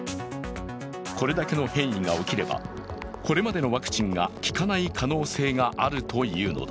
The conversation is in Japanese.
これだけの変異が起きればこれまでのワクチンが効かない可能性があるというのだ。